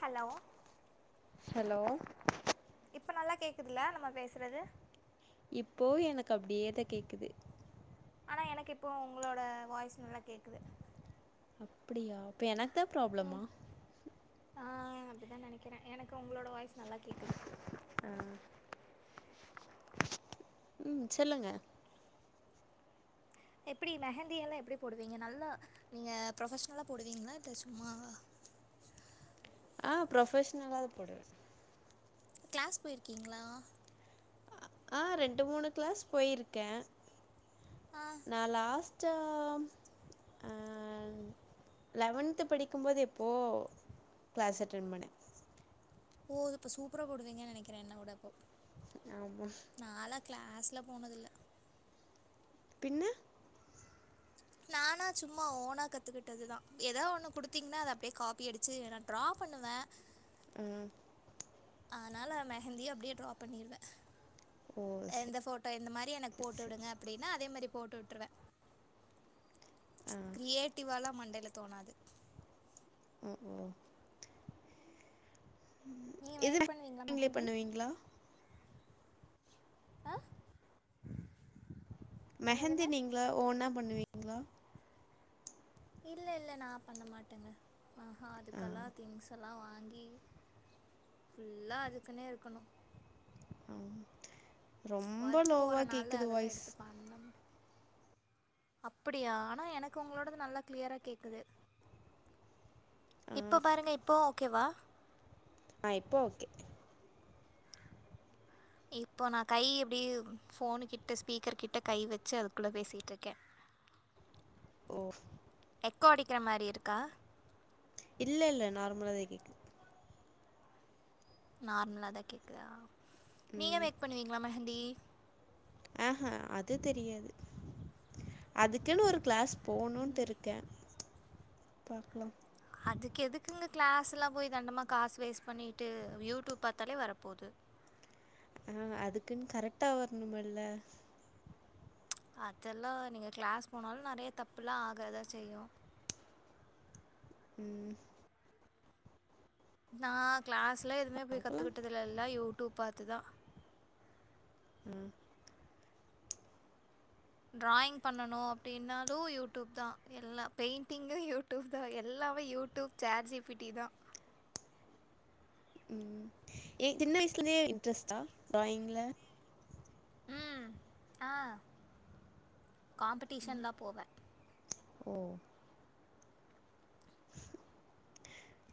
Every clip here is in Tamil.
ஹலோ ஹலோ இப்ப நல்லா கேக்குதுல நம்ம பேசுறது இப்போ எனக்கு அப்டியேதா கேக்குது ஆனா எனக்கு இப்போ உங்களோட வாய்ஸ் நல்லா கேக்குது அப்டியா அப்ப எனக்கு தா ப்ராப்ளமா ஆ அப்டிதா நெனக்கிறெ எனக்கு உங்ளோட வாய்ஸ் நல்லா கேக்குது ஆ ம் சொல்லுங்க எப்டி மெஹந்தியெல்லா எப்டி போடுவீங்க நல்லா நீங்க ப்ரொஃபஷ்னலா போடுவீங்ளா இல்ல சும்மா ஆ ப்ரொஃபஷ்னலா தா போடுவே க்ளாஸ் போய்ர்க்கீங்ளா ஆ ரெண்டு மூணு கிளாஸ் போயிருக்கெ ஆ நா லாஸ்ட் ச்சோ ஆங் லெவன்த்து படிக்கும்போது எப்போ க்ளாஸ் அட்டென் பண்ணெ ஓ இப்போ சூப்பரா போடுவீங்க நெனக்கிற என்ன விட இப்போ ஆமா நாளா கிளாஸ்லா போனதில்ல பின்ன நா நானா சும்மா ஓனா கத்துக்கிட்டது தா எதோ ஒன்னு கொடுத்தீங்னா அத அப்டியே காப்பி அடிச்சு நா ட்ரா பண்ணுவ ம் ஆனால மெஹந்திய அப்டியே ட்ரா பண்ணீற்வ ஓ எந்த ஃபோட் இந்த மாரி எனக்கு சேரி போட்டு சேரி விடுங்க அப்டின்னா அதே மாரி போட்டு விட்ருவெ ஆ கிரியேட்டிவாலா மண்டைல தோணாது ம்கும் நீங்கள் எது மேக் பண்ணுவீங்களா [inaudible] நீங்ளே மெஹந்தி பண்ணுவீங்ளா ஆ மெஹந்தி என்னதுங்க நீங்களா ஓனா பண்ணுவீங்ளா இல்ல இல்ல நா பண்ண மாட்டங்க ஆஹ ஆ அதுக்கெல்லா திங்ஸா ல்லா வாங்கி ஃபுல்லா அதுக்குன்னே இருக்கணு ஆவு ஒர்க் போறனால அதெல்லா வாய்ஸ் எடுத்து பண்ணம் அப்படியா ஆனா எனக்கு உங்களோடது நல்லா கிளியரா கேக்குது இப்பொ பாருங்க இப்போ ஓகேவா ஆ இப்போ ஓகே இப்போ நா கை இப்டி ஃபோனு கிட்ட ஸ்பீக்கர் கிட்ட கை வச்சு அதுக்குள்ள பேசிட்ருக்கெ கேட்கவில்லை ஓ எக்கோ அடிக்கிற மாரி இருக்கா இல்லல்ல நார்மலா தா கேக்குது நார்மலா தா கேக்குதா நீங்க மேக் பண்ணுவீங்ளா மெஹந்தி ஆஹ அது தெரியாது அதுக்குன்னு ஒரு கிளாஸ் போணுட்டு இருக்க பாக்லா அதுக்கு எதுக்குங்க கிளாஸ்லா போய்ட்டு தண்டமா காசு வேஸ்ட் பண்ணிட்டு யூடூப் பாத்தாலே வரப்போது ஆ அதுக்குன் கரெட்டா வரணுமில்ல அதெல்லா நீங்க கிளாஸ் போனாலு நெறைய தப்பெல்லா ஆகாதா செய்யு ம் நா கிளாஸ்ஸெலா எதுமே போய் பாக்கலாம் கத்துக்கிட்டதில்ல எல்லா யூடூப் பாத்துதா ம் ட்ராயிங் பண்ணணு அப்டின்னாலு யூடியூப் தா எல்லா பெயிண்டிங்கு யூ டியூப் தா எல்லாமே யூடியூப் சாட்ஜிபிட்டி தா ம் ஏ சின்ன வய்லந்தே இன்ட்ரெஸ்ட்டா ட்ராயிங்ல ம் ஆ காம்படிஷன் தா போவே ஓ கேட்கவில்லை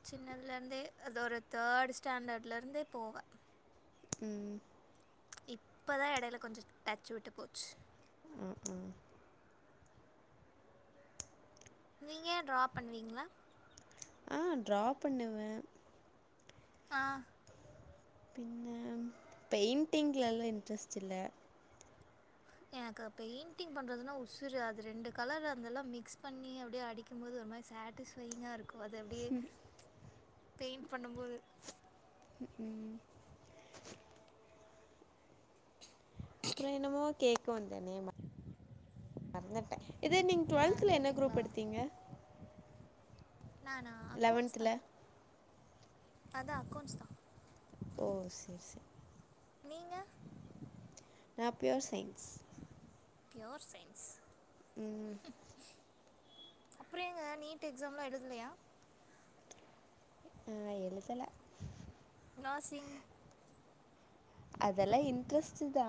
சின்னதுலந்தே அது ஒரு தேர்டு ஸ்டாண்டர்ட்லருந்தே போவே ம் இப்பதா எடைல கொஞ்சோ டச்சு விட்டு போச்சு ம் ம் நீங்க ட்ரா பண்ணுவீங்ளா ஆ ட்ரா பண்ணுவே ஆ பின்ன பெயிண்டிங்லலா இன்ட்ரெஸ்ட் இல்ல எனக்கு பெயிண்டிங் பண்றதுனா உசுரு அது ரெண்டு கலர் அந்தெல்லா மிக்ஸ் பண்ணி அப்டியே அடி க்கும் போது ஒரு மாரி சாட்டிஸ்ஃபையிங்காருக்கு அது அப்டியே பெயிண்ட் பண்ணம்போது ம் ம் அப்றோ என்னமோ கேக்க வந்தனே மறந்துட்டே இது நீங் ட்வெல்த்துல என்ன மறந்துட்டிங்களா குரூப் எடுத்தீங்க நானா அக்கௌண்ட்ஸ் தா லெவன்த்தில் அதா அக்கௌண்ட்ஸ் தா ஓ சேர் சேர் நீீங்க நா பியோர் சைன்ஸ் பியோர் சைன்ஸ் ம் அப்றோ ஏங்க நீட் எக்ஸாம்லா எழுதலயா நா எழுதல நர்சிங் அதெல்லா இன்ட்ரெஸ்ட்டு தா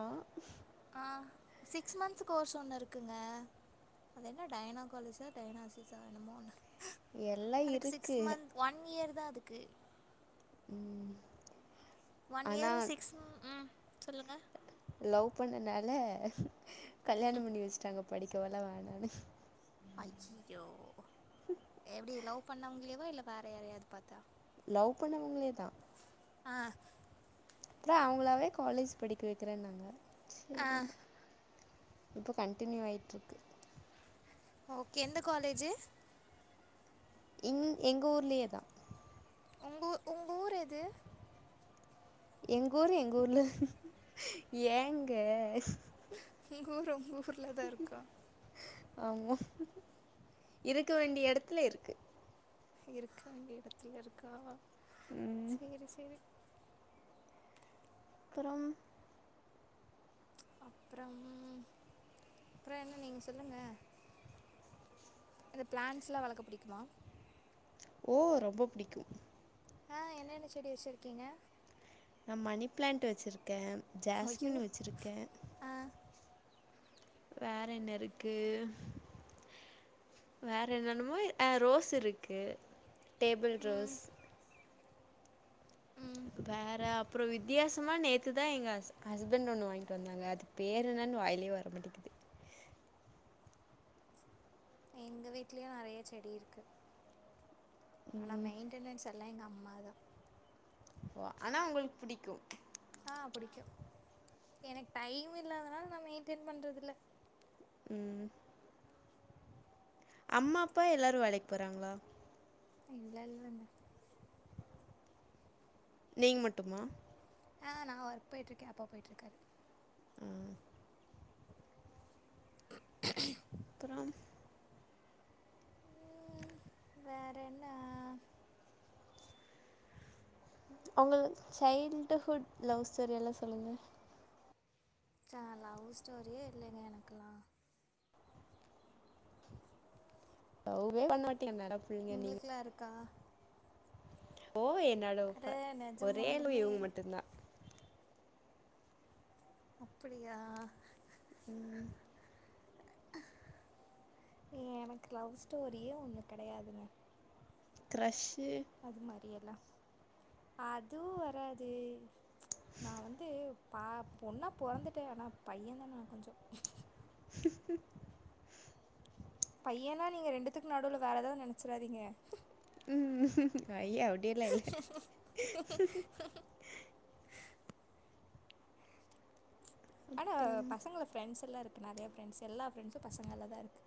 ஆ சிக்ஸ் மன்த்ஸ் கோர்ஸ் ஒன்னு இருக்குங்க அது என்ன டைனாக்காலிசா டைனாசிசா என்னமோ ஒன்னு எல்லாம் அதுக்கு சிக்ஸ் இருக்குது மன்த் ஒன் இயர் தா அதுக்கு ம் ஒன் இயரு ஆனால் சிக்ஸ் ம் சொல்லுங்க லவ் பண்ணனால கல்யாணோ பண்ணி வச்ட்டாங்க படிக்கோல்லா வேணானு அய்யியோ எப்டி லவ் பண்ணவங்ளேவா இல்ல வேற யாரயாது பாத்தா லவ் பண்ணவங்ளே தா ஆ ப்றோ அவுங்களாவே காலேஜ் படிக்க வக்கிறேனாங்க ஆ இப்ப கன்டினியூ ஆய்ட்ருக்கு ஓகே எந்த காலேஜு இங் எங்க ஊர்லயே தா உங் ஊ உங் ஊர் எது எங் ஊரு எங் ஊர்ல ஏங்க உங்க ஊர் உங்க ஊர்ல தா இருக்கா ஆமா இருக்க வேண்டிய எடத்துல இருக்கு இருக்க வேண்டிய எடத்துல இருக்கா சேரி சேரி அப்புறம் அப்றம் அப்றோ என்ன நீங்க சொல்லுங்க அந்த பிளான்ட்ஸ் எல்லா வளக்க படிக்குமா ஓ ரொம்ப புடிக்கு ஆ என்னென்ன செடி வச்சிருக்கீங்க நா மணி பிளான்ட் வச்சுருக்கே ஐயோ ஜாஸ்மின் வச்சுருக்கே ஆ வேற என்ன இருக்கு வேற என்னென்னமோ அ ரோஸ் இருக்கு டேபிள் ம் ரோஸ் வேற அப்றோ வித்தியாசமா நேத்துதா எங்க ஹஸ் ஹஸ்பண்ட் ஒன்னு வாங்கிட்டு வந்தாங்க அது பேர் என்னனு வாயிலே வர மாட்டிகிது எங்க வீட்லயு நெறைய செடி இருக்கு ஆனா மெயின்டனன்ஸ் எல்லா எங்க அம்மா தா ஓ ஆனா உங்ளுக்கு புடிக்கு ஆ புடிக்கு எனக்கு டைம் இல்லாதனால நா மெயின்டென் பண்றதில்ல ம் அம்மா அப்பா எல்லாரு வேலைக்கு போறாங்களா இல்ல இல்லங்க நீங் மட்டுமா ஆ நா ஒர்க் போயிட்டிருக்கே அப்பா போயிட்டிருக்காரு ம் [unintelligible] அப்புறம் ம் வேற என்ன ஒங்களுக்கு சைல்டுஹுட் லவ் ஸ்டோரி எல்லா சொல்லுங்க ச லவ் ஸ்டோரியே இல்லைங்க எனக்லா லவ்வே பண்ணாட்டி [unintelligible] மேடம் உங்ளுக்குலா இருக்கா ஓ என்னோட அட ஒரே அவுங் நிஜமாலுமே இவுங்க மட்டும்ந்தா அப்பிடியா ம் [unintelligible] எனக்கு லவ் ஸ்டோரியே ஒன்னு கெடையாதுங்க க்ரஷு அதுவு வராது நா வந்து பா பொண்ணா பொறந்துட்டே ஆனா பைய தா நா கொஞ்சோ [unintelligible] பையனா நீங்க ரெண்டுத்துக்கு நடுவுல வேற எதாது நெனச்சறாதீங்க ம் ம் ஐய அப்டியலா இல்ல ஆனா அப்புறம் பசங்கள ஃப்ரெண்ட்ஸ் எல்லா இருக்கு நெறையா ஃப்ரண்ட்ஸ் எல்லா ஃப்ரெண்ட்ஸு பசங்கள்ல தா இருக்கு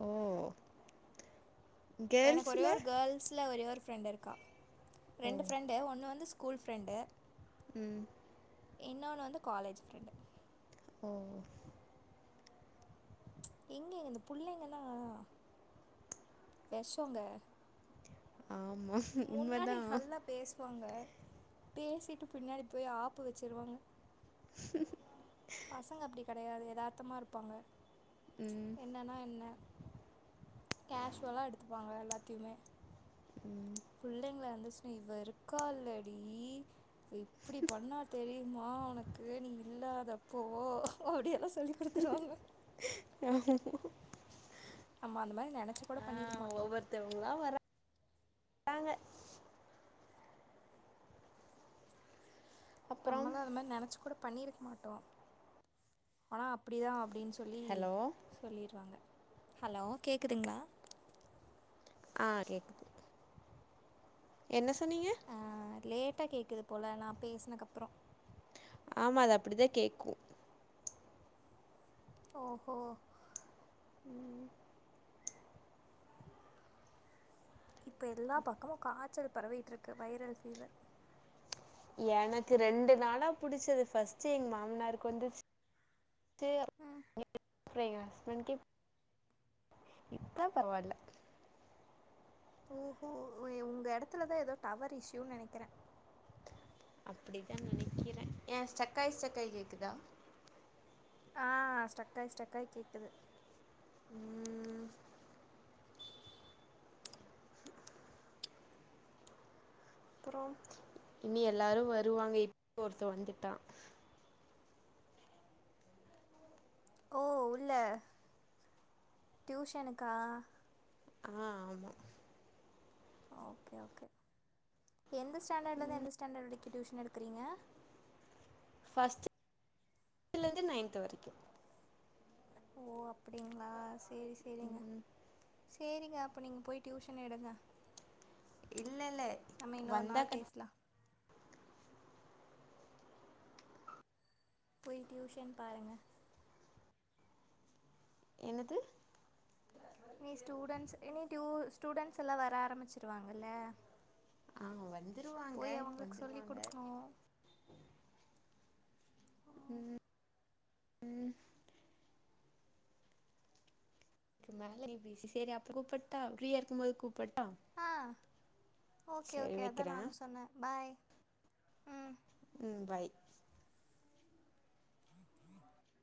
ஓ எனக்கு ஒரே கேர்ள்ஸ்ல ஒரு கேர்ள்ஸுல ஒரே ஒரு ஃப்ரெண்டு இருக்கா ஓ ரெண்டு ஃப்ரெண்டு ஒன்னு வந்து ஸ்கூல் ஃப்ரெண்டு ம் இன்னொன்னு வந்து காலேஜ் ஃப்ரெண்டு ஓ எங்கங்க இந்த புள்ளைங்கள்ளா வெஷோங்க ஆமா உண்ம முன்னாடி தா நல்லா பேசுவாங்க பேசிட்டு பின்னாடி போய் ஆப்பு வச்சிருவாங்க பசங்க அப்டி கெடையாது எதார்த்தமா இருப்பாங்க ம் என்னன்னா என்ன கேஷுவலா எடுத்துப்பாங்க எல்லாத்தையுமே ம் புள்ளைங்களா இருந்துச்ன்னா இவ இருக்காலடி எப்டி பண்ணா தெரியுமா ஒனக் கு நீ இல்லாதப்போ அப்டியெல்லா சொல்லி குடுத்துருவாங்க நம்ப அந்த மாரி நெனச்சி கூட பண்ணிருக்க மாட்டோ ஒவ்வருத்தவுங்களா வரா டாங்க அப்புறம் நம்மளு அது மாரி நெனச்சி கூட பண்ணிருக்க மாட்டோ ஆனா அப்டிதா அப்டின் சொ சொல்லி ஹலோ சொல்லிருவாங்க ஹலோ கேக்குதுங்களா ஆ கேக்குது என்ன சொன்னீங்க அ லேட்டா கேக்குது போல நா பேசுனக்கப்புற ஆமா அது அப்டிதா கேக்கு ஓஹோ ம் இப்ப எல்லா பக்கமு காச்சல் பரவிட்டு இருக்கு வைரல் ஃபீவர் எனக்கு ரெண்டு நாளா புடிச்சது ஃபர்ஸ்ட்டு எங்க மாமனாருக்கு வந்துச்சு த்து [unintelligible] ஹஸ்பண்ட்க்கு இப்ப பரவா இல்ல ஓஹோ ஒ உங்க இடத்துலதா ஏதோ டவர் இஷ்யூன்னு நெனக்கிறே அப்டிதா நெனக்கிறே ஏ ஸ்ட்ரக்காயி ஸ்ட்ரக்காயி கேக்குதா ஆ ஸ்ட்ரக்காயி ஸ்ட்ரக்காயி கேக்குது ம் அப்பறோ இனி எல்லாரு வருவாங்க இப் ஒருத்த வந்துட்டா ஓ உள்ள டியூஷனுக்கா ஆ ஆமா ஓகே ஓகே எந்த ஸ்டாண்டர்ட்ல இருந்து எந்த ஸ்டாண்டர்ட் வரைக்கு டியூஷன் எடுக்கிறீங்க ஃபஸ்ட்டு லந்து நைன்த்து வரைக்கு ஓ அப்டிங்களா சேரி சேரிங்க சேரிங்க அப்ப நீங்க போய் டியூஷன் எடுங்க இல்ல இல்ல நம்ம இன்னொரு வந்தா நாள் கட் பேசலா போய் டியூஷன் பாருங்க என்னது நீ ஸ்டூடெண்ட்ஸ் இனி ட்யு ஸ்டூடெண்ட்ஸ் எல்லா வர ஆரம்பிச்சிருவாங்கல்ல ஆ வந்துருவாங்க போய் இப்ப அவங்களுக்கு சொல்லி வந்துருவாங்க கொடுக்கணும் ம் ம் க்கு மேல நீ பேசி சரி அப்பற கூப்பிட்டா ஃப்ரீயா இருக்கும்போது கூப்பட்டா ஆ ஓகே சரி ஓகே அதான் வெக்கிறே நானு சொன்னே பாய் ம் ம் பாய்